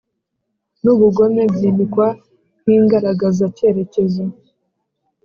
n'ubugome byimikwa nk'ingaragazacyerekezo